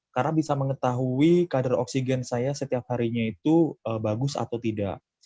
karena bisa mengetahui kadar oksigen saya setiap harinya itu bagus atau tidak